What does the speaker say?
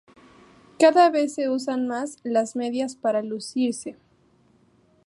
Cada vez se usan más las medias para lucirse.